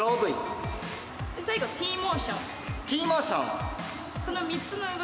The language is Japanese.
で最後Ｔモーション。